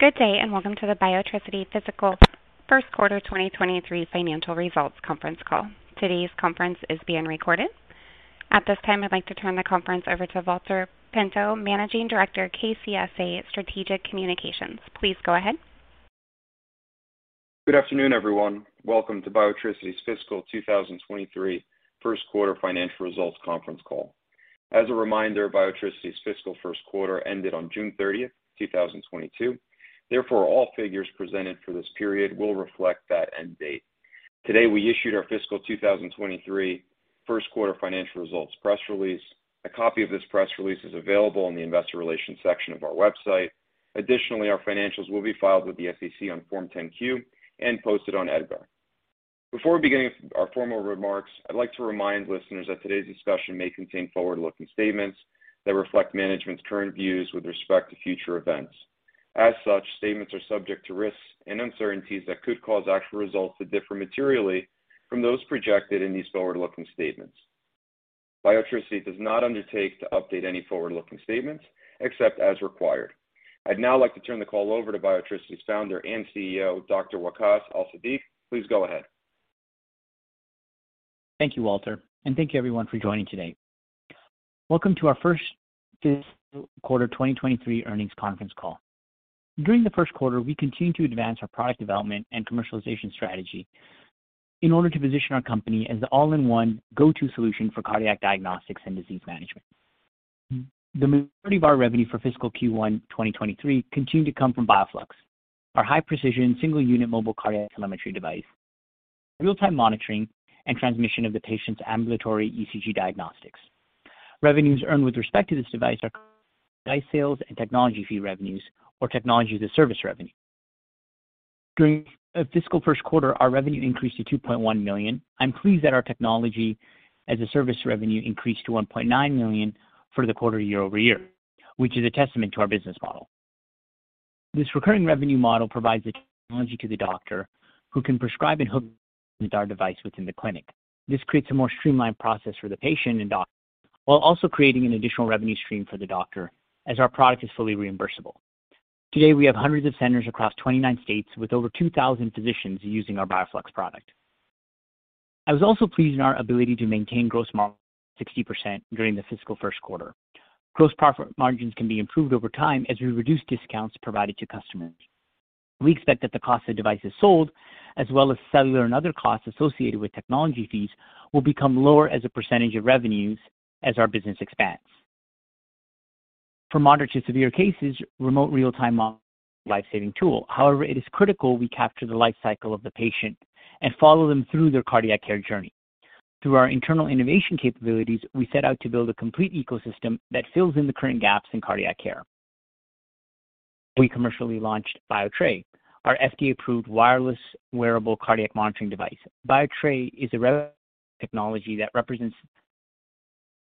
Good day, and welcome to the Biotricity Fiscal First Quarter 2023 Financial Results Conference Call. Today's conference is being recorded. At this time, I'd like to turn the conference over to Valter Pinto, Managing Director, KCSA Strategic Communications. Please go ahead. Good afternoon, everyone. Welcome to Biotricity's Fiscal 2023 First Quarter Financial Results Conference Call. As a reminder, Biotricity's fiscal first quarter ended on June 30, 2022. Therefore, all figures presented for this period will reflect that end date. Today, we issued our fiscal 2023 first quarter financial results press release. A copy of this press release is available in the investor relations section of our website. Additionally, our financials will be filed with the SEC on Form 10-Q and posted on EDGAR. Before beginning our formal remarks, I'd like to remind listeners that today's discussion may contain forward-looking statements that reflect management's current views with respect to future events. As such, statements are subject to risks and uncertainties that could cause actual results to differ materially from those projected in these forward-looking statements. Biotricity does not undertake to update any forward-looking statements except as required. I'd now like to turn the call over to Biotricity's Founder and CEO, Dr. Waqaas Al-Siddiq. Please go ahead. Thank you, Valter, and thank you everyone for joining today. Welcome to our First Fiscal Quarter 2023 Earnings Conference Call. During the first quarter, we continued to advance our product development and commercialization strategy in order to position our company as the all-in-one go-to solution for cardiac diagnostics and disease management. The majority of our revenue for fiscal Q1 2023 continued to come from Bioflux, our high precision single unit mobile cardiac telemetry device, real-time monitoring, and transmission of the patient's ambulatory ECG diagnostics. Revenues earned with respect to this device are device sales and technology fee revenues or technology as a service revenue. During the fiscal first quarter, our revenue increased to $2.1 million. I'm pleased that our technology as a service revenue increased to $1.9 million for the quarter year-over-year, which is a testament to our business model. This recurring revenue model provides the technology to the doctor who can prescribe and hook our device within the clinic. This creates a more streamlined process for the patient and doctor, while also creating an additional revenue stream for the doctor as our product is fully reimbursable. Today, we have hundreds of centers across 29 states with over 2,000 physicians using our Bioflux product. I was also pleased in our ability to maintain gross margin 60% during the fiscal first quarter. Gross profit margins can be improved over time as we reduce discounts provided to customers. We expect that the cost of devices sold, as well as cellular and other costs associated with technology fees, will become lower as a percentage of revenues as our business expands. For moderate to severe cases, remote real-time monitoring is a life-saving tool. However, it is critical we capture the life cycle of the patient and follow them through their cardiac care journey. Through our internal innovation capabilities, we set out to build a complete ecosystem that fills in the current gaps in cardiac care. We commercially launched Biotres, our FDA-approved wireless wearable cardiac monitoring device. Biotres is a technology that represents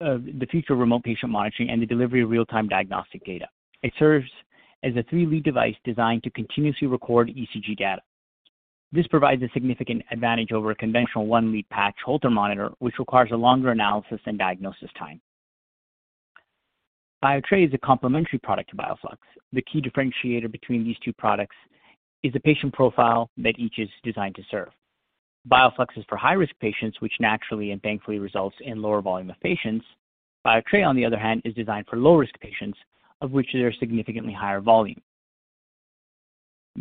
the future of remote patient monitoring and the delivery of real-time diagnostic data. It serves as a three-lead device designed to continuously record ECG data. This provides a significant advantage over a conventional one-lead patch Holter monitor, which requires a longer analysis and diagnosis time. Biotres is a complementary product to Bioflux. The key differentiator between these two products is the patient profile that each is designed to serve. Bioflux is for high-risk patients, which naturally and thankfully results in lower volume of patients. Biotres, on the other hand, is designed for low-risk patients, of which there are significantly higher volume.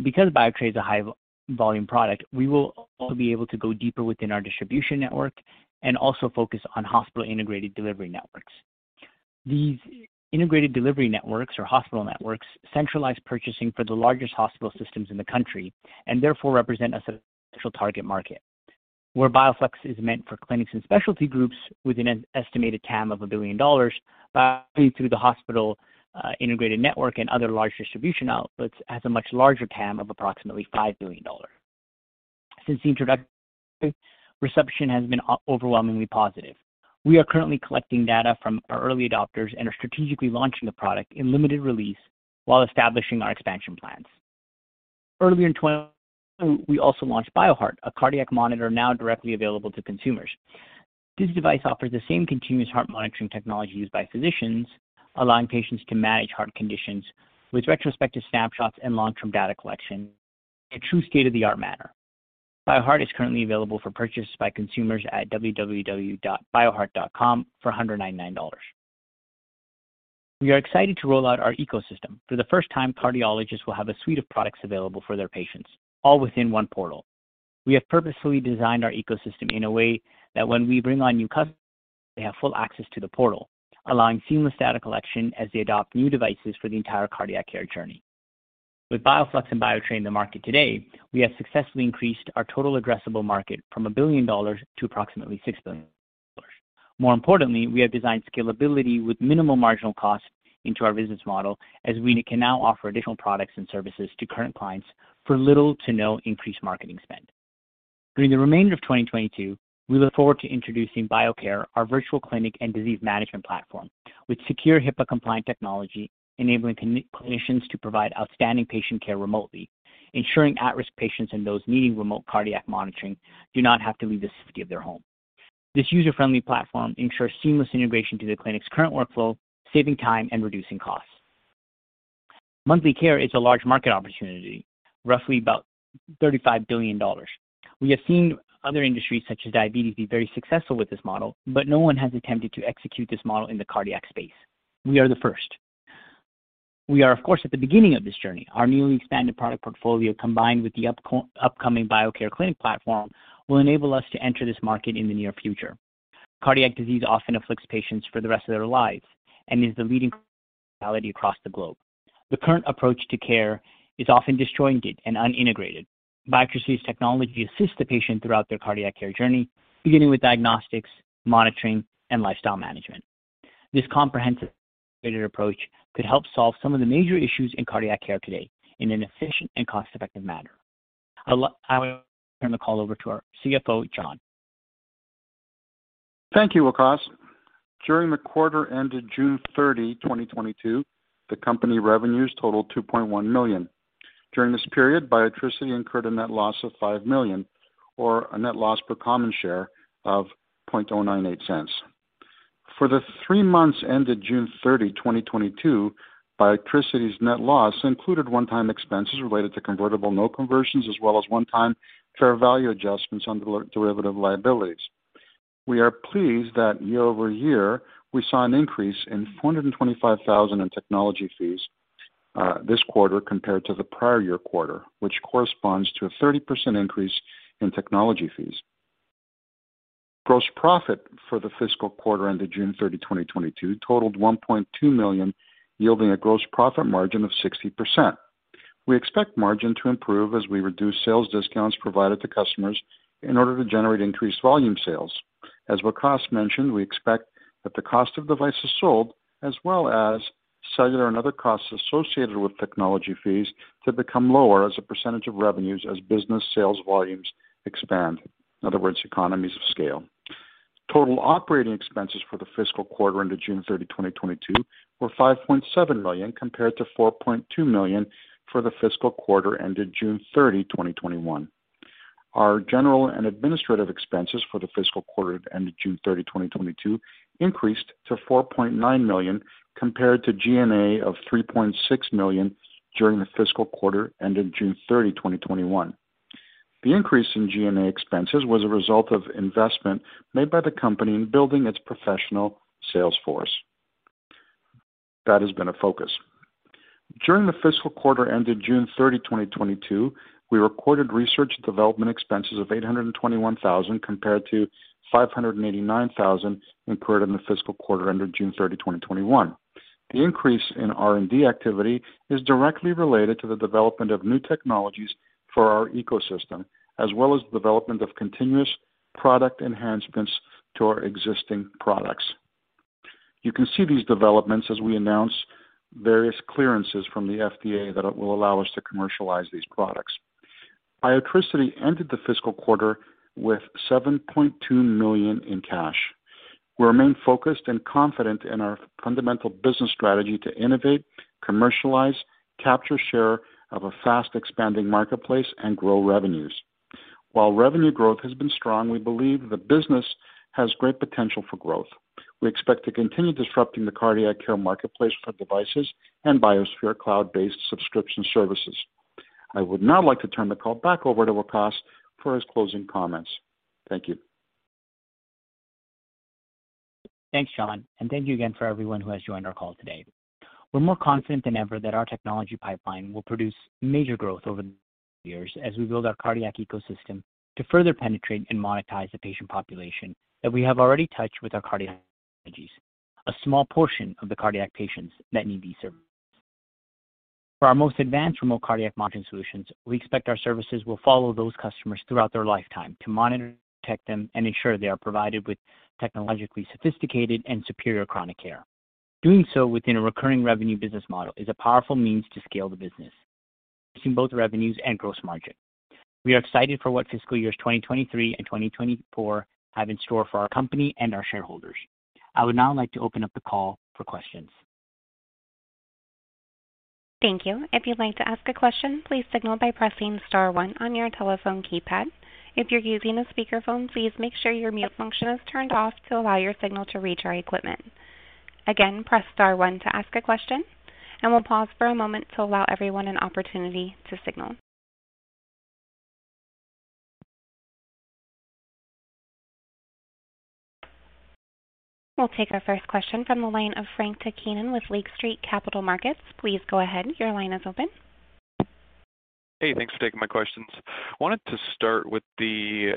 Because Biotres is a high volume product, we will be able to go deeper within our distribution network and also focus on hospital-integrated delivery networks. These integrated delivery networks or hospital networks centralize purchasing for the largest hospital systems in the country and therefore represent a significant target market. Where Bioflux is meant for clinics and specialty groups with an estimated TAM of $1 billion through the hospital integrated network and other large distribution outlets has a much larger TAM of approximately $5 billion. Since the introduction, reception has been overwhelmingly positive. We are currently collecting data from our early adopters and are strategically launching the product in limited release while establishing our expansion plans. Earlier in 2022, we also launched BioHeart, a cardiac monitor now directly available to consumers. This device offers the same continuous heart monitoring technology used by physicians, allowing patients to manage heart conditions with retrospective snapshots and long-term data collection in a true state-of-the-art manner. BioHeart is currently available for purchase by consumers at www.bioheart.com for $199. We are excited to roll out our ecosystem. For the first time, cardiologists will have a suite of products available for their patients, all within one portal. We have purposefully designed our ecosystem in a way that when we bring on new customers, they have full access to the portal, allowing seamless data collection as they adopt new devices for the entire cardiac care journey. With Bioflux and Biotres in the market today, we have successfully increased our total addressable market from $1 billion to approximately $6 billion. More importantly, we have designed scalability with minimal marginal cost into our business model as we can now offer additional products and services to current clients for little to no increased marketing spend. During the remainder of 2022, we look forward to introducing Biocare, our virtual clinic and disease management platform, with secure HIPAA-compliant technology enabling clinicians to provide outstanding patient care remotely, ensuring at-risk patients and those needing remote cardiac monitoring do not have to leave the safety of their home. This user-friendly platform ensures seamless integration to the clinic's current workflow, saving time and reducing costs. Monthly care is a large market opportunity, roughly about $35 billion. We have seen other industries such as diabetes be very successful with this model, but no one has attempted to execute this model in the cardiac space. We are the first. We are, of course, at the beginning of this journey. Our newly expanded product portfolio, combined with the upcoming Biocare clinic platform, will enable us to enter this market in the near future. Cardiac disease often afflicts patients for the rest of their lives and is the leading across the globe. The current approach to care is often disjointed and unintegrated. Biotricity's technology assists the patient throughout their cardiac care journey, beginning with diagnostics, monitoring, and lifestyle management. This comprehensive integrated approach could help solve some of the major issues in cardiac care today in an efficient and cost-effective manner. I will turn the call over to our CFO, John. Thank you, Waqaas. During the quarter ended June 30, 2022, the company revenues totaled $2.1 million. During this period, Biotricity incurred a net loss of $5 million or a net loss per common share of $0.098. For the three months ended June 30, 2022, Biotricity's net loss included one-time expenses related to convertible note conversions, as well as one-time fair value adjustments on derivative liabilities. We are pleased that year-over-year, we saw an increase in $425,000 in technology fees this quarter compared to the prior year quarter, which corresponds to a 30% increase in technology fees. Gross profit for the fiscal quarter ended June 30, 2022 totaled $1.2 million, yielding a gross profit margin of 60%. We expect margin to improve as we reduce sales discounts provided to customers in order to generate increased volume sales. As Waqaas mentioned, we expect that the cost of devices sold as well as cellular and other costs associated with technology fees to become lower as a percentage of revenues as business sales volumes expand. In other words, economies of scale. Total operating expenses for the fiscal quarter ended June 30, 2022 were $5.7 million, compared to $4.2 million for the fiscal quarter ended June 30, 2021. Our general and administrative expenses for the fiscal quarter that ended June 30, 2022 increased to $4.9 million, compared to G&A of $3.6 million during the fiscal quarter ended June 30, 2021. The increase in G&A expenses was a result of investment made by the company in building its professional sales force. That has been a focus. During the fiscal quarter ended June 30, 2022, we recorded research and development expenses of $821,000 compared to $589,000 incurred in the fiscal quarter ended June 30, 2021. The increase in R&D activity is directly related to the development of new technologies for our ecosystem, as well as the development of continuous product enhancements to our existing products. You can see these developments as we announce various clearances from the FDA that will allow us to commercialize these products. Biotricity ended the fiscal quarter with $7.2 million in cash. We remain focused and confident in our fundamental business strategy to innovate, commercialize, capture share of a fast expanding marketplace, and grow revenues. While revenue growth has been strong, we believe the business has great potential for growth. We expect to continue disrupting the cardiac care marketplace for devices and Biosphere cloud-based subscription services. I would now like to turn the call back over to Waqaas for his closing comments. Thank you. Thanks, John, and thank you again for everyone who has joined our call today. We're more confident than ever that our technology pipeline will produce major growth over the years as we build our cardiac ecosystem to further penetrate and monetize the patient population that we have already touched with our cardiac strategies. A small portion of the cardiac patients that need these services. For our most advanced remote cardiac monitoring solutions, we expect our services will follow those customers throughout their lifetime to monitor, protect them, and ensure they are provided with technologically sophisticated and superior chronic care. Doing so within a recurring revenue business model is a powerful means to scale the business, increasing both revenues and gross margin. We are excited for what fiscal years 2023 and 2024 have in store for our company and our shareholders. I would now like to open up the call for questions. Thank you. If you'd like to ask a question, please signal by pressing star one on your telephone keypad. If you're using a speakerphone, please make sure your mute function is turned off to allow your signal to reach our equipment. Again, press star one to ask a question, and we'll pause for a moment to allow everyone an opportunity to signal. We'll take our first question from the line of Frank Takkinen with Lake Street Capital Markets. Please go ahead. Your line is open. Hey, thanks for taking my questions. I wanted to start with the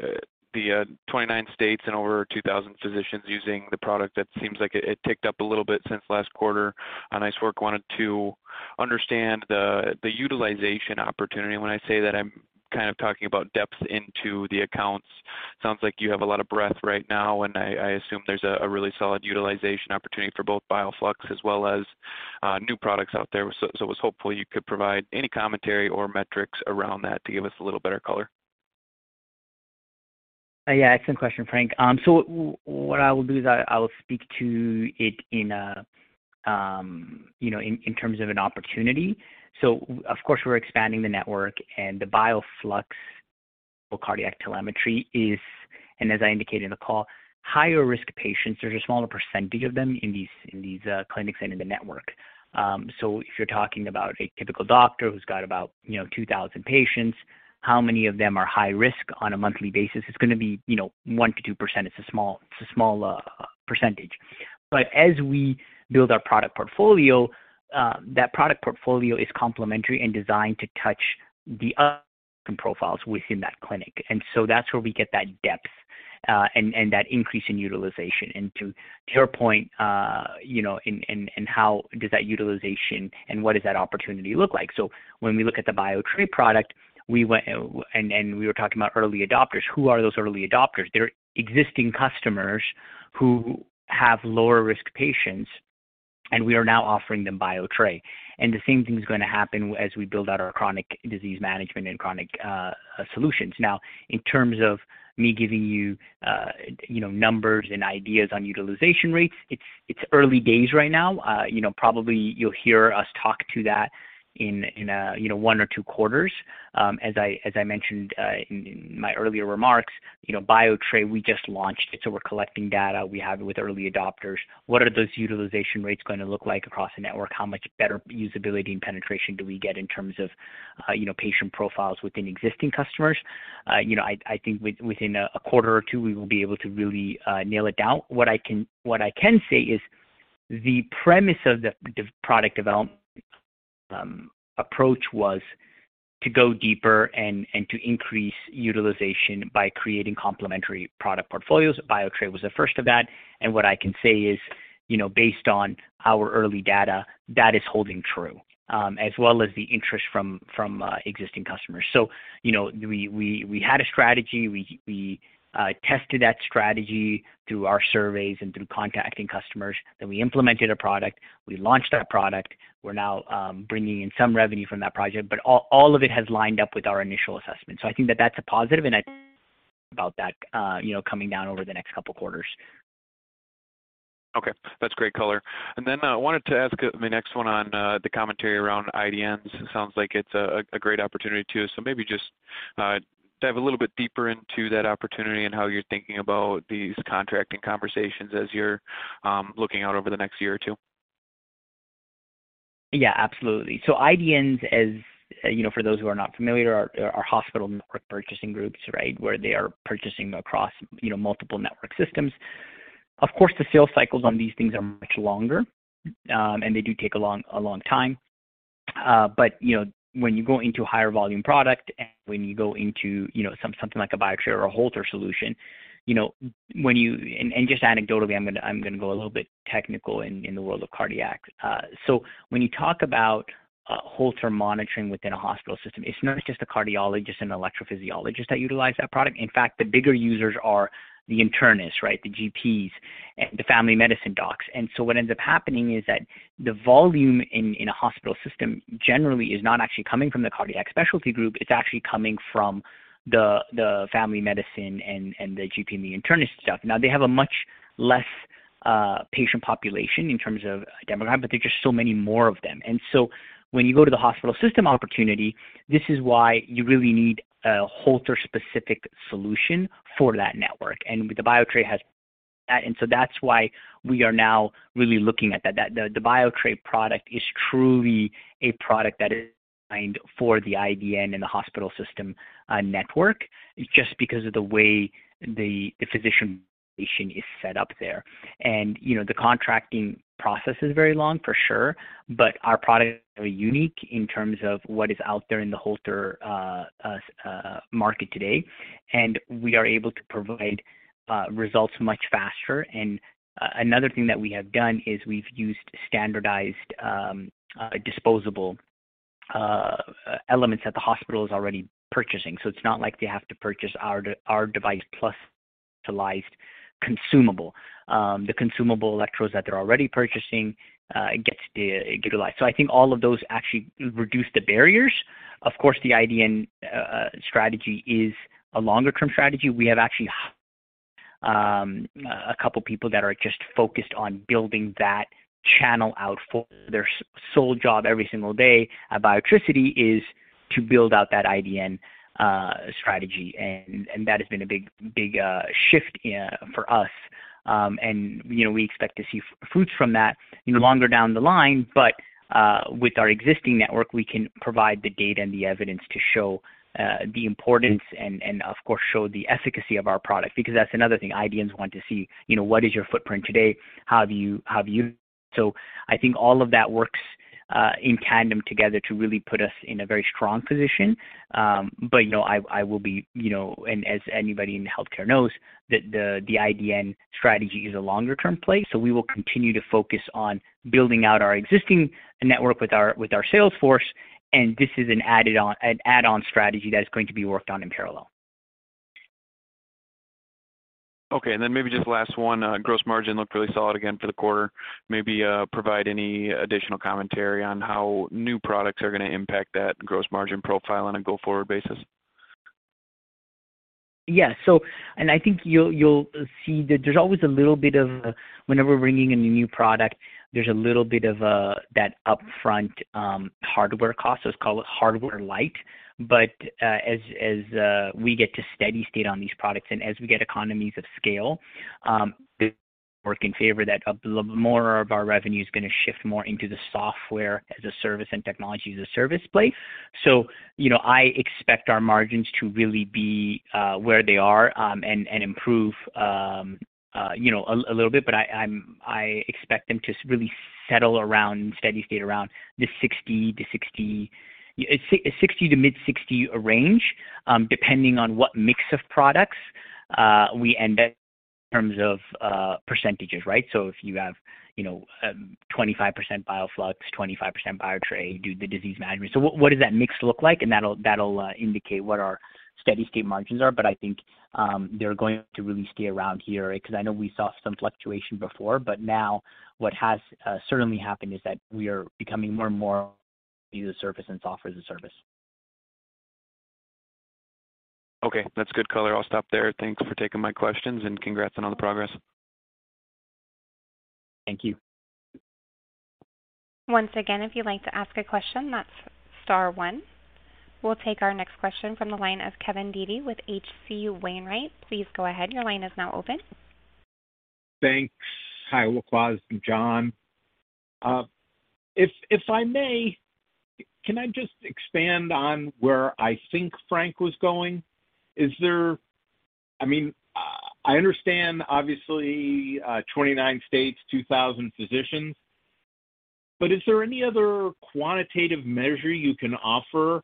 29 states and over 2,000 physicians using the product. That seems like it ticked up a little bit since last quarter. N.ce work. Wanted to understand the utilization opportunity. When I say that, I'm kind of talking about depth into the accounts. Sounds like you have a lot of breadth right now, and I assume there's a really solid utilization opportunity for both Bioflux as well as new products out there. Was hopeful you could provide any commentary or metrics around that to give us a little better color. Yeah, excellent question, Frank. What I will do is I will speak to it in a, you know, in terms of an opportunity. Of course, we're expanding the network and the Bioflux for cardiac telemetry, and as I indicated in the call, higher risk patients. There's a smaller percentage of them in these clinics and in the network. If you're talking about a typical doctor who's got about, you know, 2,000 patients, how many of them are high risk on a monthly basis, it's gonna be, you know, 1%-2%. It's a small percentage. As we build our product portfolio, that product portfolio is complementary and designed to touch the other profiles within that clinic. That's where we get that depth, and that increase in utilization. To your point, you know, how does that utilization and what does that opportunity look like? When we look at the Bioheart product, we were talking about early adopters. Who are those early adopters? They're existing customers who have lower risk patients, and we are now offering them Bioheart. The same thing is gonna happen as we build out our chronic disease management and chronic solutions. Now, in terms of me giving you know, numbers and ideas on utilization rates, it's early days right now. You know, probably you'll hear us talk to that in one or two quarters. As I mentioned in my earlier remarks, you know, Bioheart, we just launched it, so we're collecting data. We have it with early adopters. What are those utilization rates gonna look like across the network? How much better usability and penetration do we get in terms of, you know, patient profiles within existing customers? You know, I think within a quarter or two, we will be able to really nail it down. What I can say is the premise of the product development approach was to go deeper and to increase utilization by creating complementary product portfolios. Biotres was the first of that. What I can say is, you know, based on our early data, that is holding true, as well as the interest from existing customers. You know, we had a strategy. We tested that strategy through our surveys and through contacting customers. We implemented a product, we launched that product. We're now bringing in some revenue from that project, but all of it has lined up with our initial assessment. I think that that's a positive, and I think about that, you know, coming down over the next couple quarters. Okay. That's great color. I wanted to ask my next one on the commentary around IDNs. It sounds like it's a great opportunity too. Maybe just dive a little bit deeper into that opportunity and how you're thinking about these contracting conversations as you're looking out over the next year or two. Yeah, absolutely. IDNs, as you know, for those who are not familiar, are hospital network purchasing groups, right? Where they are purchasing across, you know, multiple network systems. Of course, the sales cycles on these things are much longer, and they do take a long time. You know, when you go into a higher volume product and when you go into, you know, something like a Biotres or a Holter solution. Just anecdotally, I'm gonna go a little bit technical in the world of cardiac. When you talk about a Holter monitoring within a hospital system, it's not just the cardiologists and electrophysiologists that utilize that product. In fact, the bigger users are the internists, right? The GPs and the family medicine docs. What ends up happening is that the volume in a hospital system generally is not actually coming from the cardiac specialty group. It's actually coming from the family medicine and the GP and the internist doc. Now, they have a much less patient population in terms of a demographic, but there's just so many more of them. When you go to the hospital system opportunity, this is why you really need a Holter specific solution for that network. The Biotres has that. That's why we are now really looking at that. The Biotres product is truly a product that is designed for the IDN and the hospital system network just because of the way the physician is set up there. You know, the contracting process is very long for sure, but our products are very unique in terms of what is out there in the Holter market today, and we are able to provide results much faster. Another thing that we have done is we've used standardized disposable elements that the hospital is already purchasing. It's not like they have to purchase our device plus utilized consumable. The consumable electrodes that they're already purchasing get utilized. I think all of those actually reduce the barriers. Of course, the IDN strategy is a longer term strategy. We have actually a couple people that are just focused on building that channel out for their sole job every single day at Biotricity is to build out that IDN strategy. that has been a big shift for us. you know, we expect to see fruits from that, you know, longer down the line. with our existing network, we can provide the data and the evidence to show the importance and of course, show the efficacy of our product. Because that's another thing IDNs want to see, you know, what is your footprint today? How do you. So I think all of that works in tandem together to really put us in a very strong position. you know, I will be, you know, and as anybody in healthcare knows, the IDN strategy is a longer term play. We will continue to focus on building out our existing network with our sales force, and this is an add-on strategy that is going to be worked on in parallel. Maybe just last one. Gross margin looked really solid again for the quarter. Maybe, provide any additional commentary on how new products are gonna impact that gross margin profile on a go-forward basis. Yeah. I think you'll see that there's always a little bit whenever we're bringing in a new product, there's a little bit of that upfront hardware cost. It's called hardware light. But as we get to steady-state on these products and as we get economies of scale work in favor that a little more of our revenue is going to shift more into the software as a service and technology as a service place. You know, I expect our margins to really be where they are and improve you know, a little bit. But I expect them to really settle around steady state around the 60%-mid-60% range, depending on what mix of products we end up in terms of percentages, right? If you have, you know, 25% Bioflux, 25% Biocare due to disease management. What does that mix look like? That'll indicate what our steady-state margins are. I think they're going to really stay around here because I know we saw some fluctuation before, but now what has certainly happened is that we are becoming more and more as a service and software as a service. Okay. That's good color. I'll stop there. Thanks for taking my questions, and congrats on all the progress. Thank you. Once again, if you'd like to ask a question, that's star one. We'll take our next question from the line of Kevin Dede with H.C. Wainwright. Please go ahead. Your line is now open. Thanks. Hi, Waqaas and John. If I may, can I just expand on where I think Frank was going? I mean, I understand obviously, 29 states, 2,000 physicians, but is there any other quantitative measure you can offer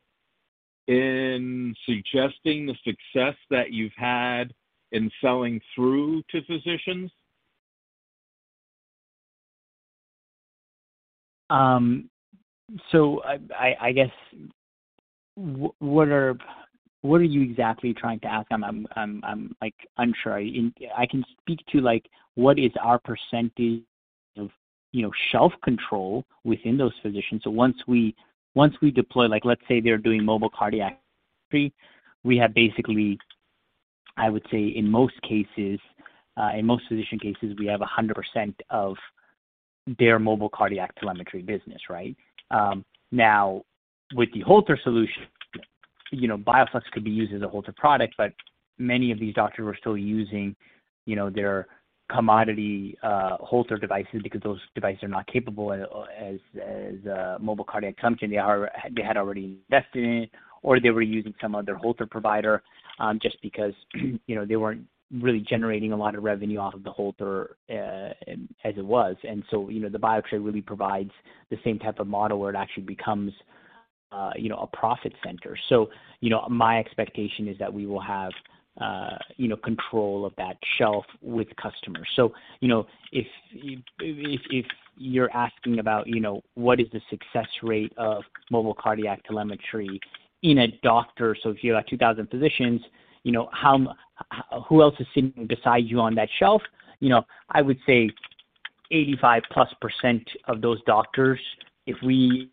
in suggesting the success that you've had in selling through to physicians? I guess what are you exactly trying to ask? I'm like, unsure. I can speak to like, what is our percentage of, you know, shelf control within those physicians. Once we deploy, like let's say they're doing mobile cardiac telemetry, we have basically, I would say in most cases, in most physician cases, we have 100% of their mobile cardiac telemetry business, right? Now with the Holter solution, you know, Bioflux could be used as a Holter product, but many of these doctors were still using, you know, their commodity, Holter devices because those devices are not as capable as mobile cardiac telemetry. They had already invested in or they were using some other Holter provider, just because, you know, they weren't really generating a lot of revenue off of the Holter, as it was. You know, the Bioflux really provides the same type of model where it actually becomes, you know, a profit center. You know, my expectation is that we will have, you know, control of that shelf with customers. You know, if you're asking about, you know, what is the success rate of mobile cardiac telemetry in a doctor. If you have 2,000 physicians, you know, who else is sitting beside you on that shelf? You know, I would say 85%+ of those doctors, if we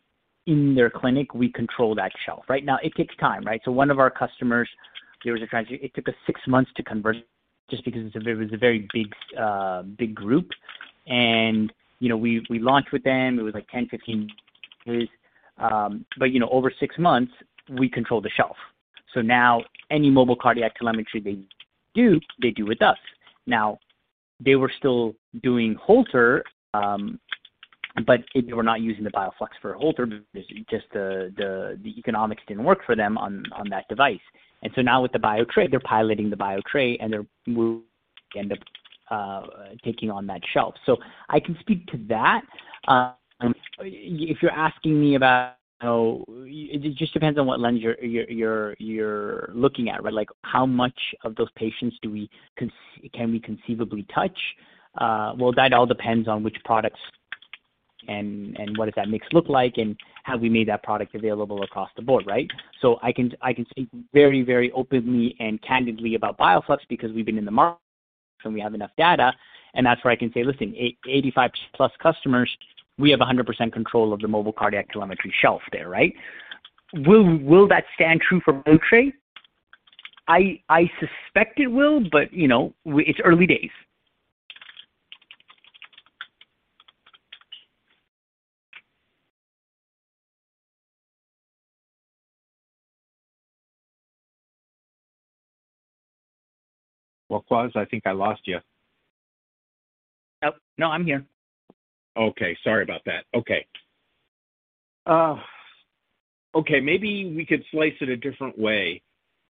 in their clinic, we control that shelf. Right now, it takes time, right? One of our customers. It took us six months to convert just because it's a very big group. You know, we launched with them. It was like 10, 15. You know, over six months, we control the shelf. Now any mobile cardiac telemetry they do, they do with us. They were still doing Holter, but they were not using the Bioflux for Holter because just the economics didn't work for them on that device. Now with the Biotres, they're piloting the Biotres, and they will end up taking on that shelf. I can speak to that. If you're asking me about, you know, it just depends on what lens you're looking at, right? Like, how much of those patients can we conceivably touch? Well, that all depends on which products and what does that mix look like and have we made that product available across the board, right? I can speak very, very openly and candidly about Bioflux because we've been in the market and we have enough data, and that's where I can say, listen, 85+ customers, we have 100% control of the Mobile Cardiac Telemetry shelf there, right? Will that stand true for Biotres? I suspect it will, but you know, it's early days. Waqaas, I think I lost you. Oh, no, I'm here. Okay. Sorry about that. Okay. Okay, maybe we could slice it a different way.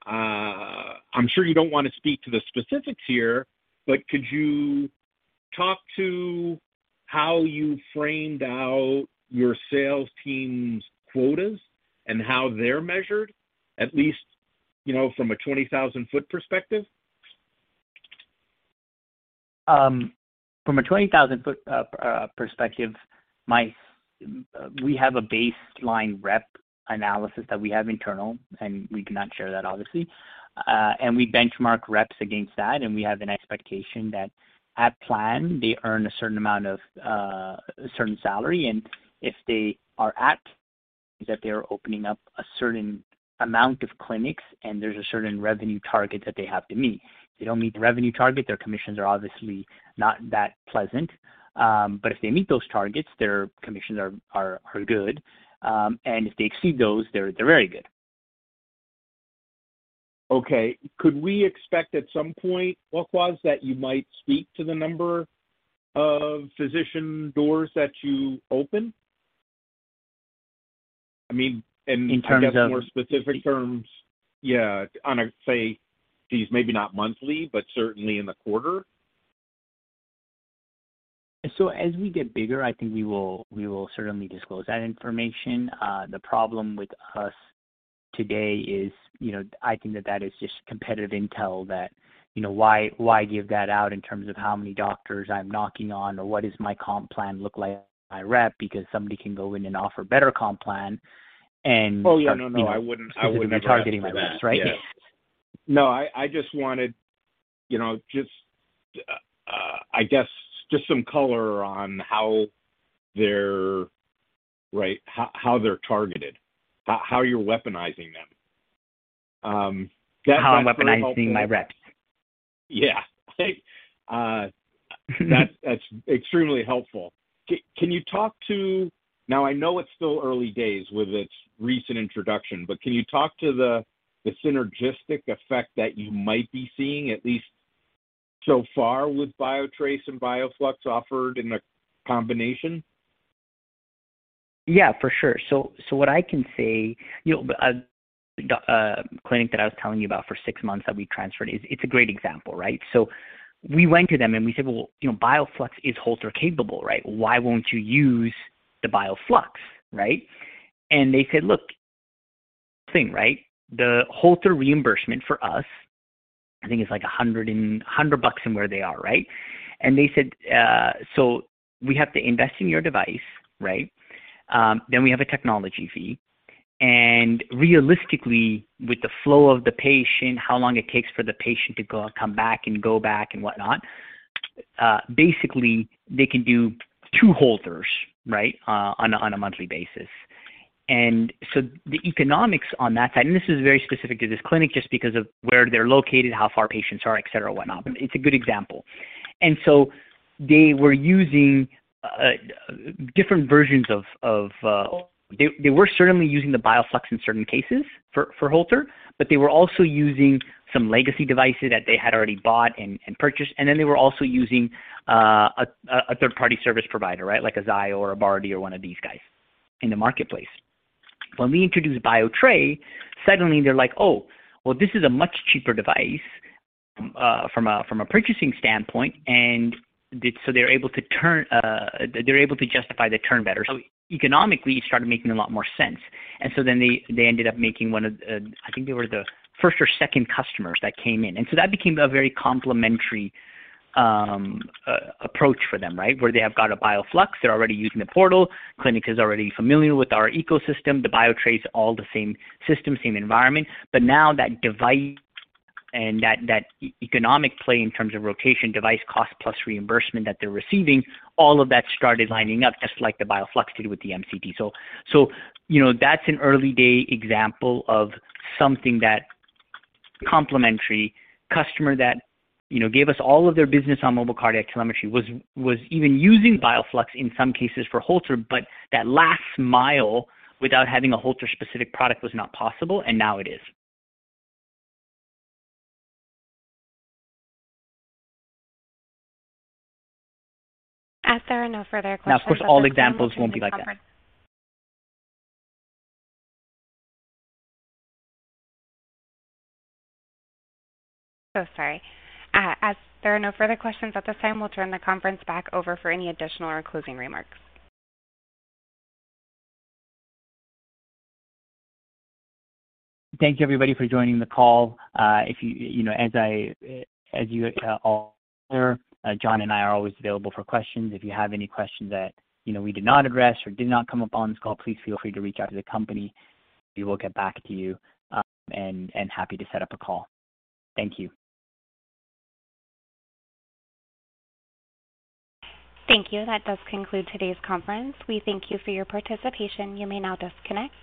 I'm sure you don't want to speak to the specifics here, but could you talk to how you framed out your sales team's quotas and how they're measured, at least, you know, from a 20,000-foot perspective? From a 20,000-foot perspective, we have a baseline rep analysis that we have internal, and we cannot share that, obviously. We benchmark reps against that, and we have an expectation that at plan, they earn a certain amount of certain salary. If they are at least that they're opening up a certain amount of clinics and there's a certain revenue target that they have to meet. If they don't meet the revenue target, their commissions are obviously not that pleasant. If they meet those targets, their commissions are good. If they exceed those, they're very good. Okay. Could we expect at some point, Waqaas, that you might speak to the number of physician doors that you open? I mean, in- In terms of. I guess, more specific terms. Yeah. On a, say, these maybe not monthly, but certainly in the quarter. As we get bigger, I think we will certainly disclose that information. The problem with us today is, you know, I think that is just competitive intel that, you know, why give that out in terms of how many doctors I'm knocking on or what does my comp plan look like, my rep, because somebody can go in and offer better comp plan. Oh, yeah. No, no, I wouldn't. I would never ask for that. You know, because it would be targeting my reps, right? Yeah. No, I just wanted, you know, just, I guess just some color on how they're right, how they're targeted, how you're weaponizing them. That's very helpful. How I'm weaponizing my reps. Yeah. That's extremely helpful. Can you talk to... Now, I know it's still early days with its recent introduction, but can you talk to the synergistic effect that you might be seeing at least so far with Biotres and Bioflux offered in a combination? Yeah, for sure. What I can say, you know, the clinic that I was telling you about for 6 months that we transferred is. It's a great example, right? We went to them, and we said, Well, you know, Bioflux is Holter capable, right? Why won't you use the Bioflux, right? They said, look, the thing, right? The Holter reimbursement for us, I think it's like $100 in where they are, right? They said, we have to invest in your device, right? Then we have a technology fee. Realistically, with the flow of the patient, how long it takes for the patient to go come back and go back and whatnot, basically, they can do 2 Holters, right, on a monthly basis. The economics on that side, and this is very specific to this clinic just because of where they're located, how far patients are, et cetera, whatnot, but it's a good example. They were certainly using the Bioflux in certain cases for Holter, but they were also using some legacy devices that they had already bought and purchased. They were also using a third-party service provider, right? Like a Zio or a Bardy or one of these guys in the marketplace. When we introduced Biotres, suddenly they're like, Oh, well, this is a much cheaper device from a purchasing standpoint." They're able to justify the turn better. Economically, it started making a lot more sense. They ended up making one of, I think they were the first or second customers that came in. That became a very complementary approach for them, right? Where they have got a Bioflux, they're already using the portal, clinic is already familiar with our ecosystem, the Biotres, all the same system, same environment. Now that device and that economic play in terms of rotation, device cost plus reimbursement that they're receiving, all of that started lining up just like the Bioflux did with the MCT. So, you know, that's an early-day example of something that complementary customer that, you know, gave us all of their business on mobile cardiac telemetry was even using Bioflux in some cases for Holter, but that last mile without having a Holter specific product was not possible, and now it is. As there are no further questions at this time, we'll turn the conference. Now, of course, all examples won't be like that. Sorry. As there are no further questions at this time, we'll turn the conference back over for any additional or closing remarks. Thank you, everybody, for joining the call. If you, as you all hear, John and I are always available for questions. If you have any questions that we did not address or did not come up on this call, please feel free to reach out to the company. We will get back to you, and happy to set up a call. Thank you. Thank you. That does conclude today's conference. We thank you for your participation. You may now disconnect.